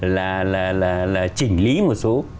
là chỉnh lý một số